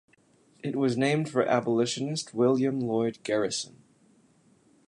It was named for abolitionist William Lloyd Garrison.